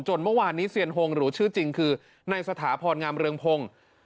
เมื่อวานนี้เซียนฮงหรือชื่อจริงคือในสถาพรงามเรืองพงศ์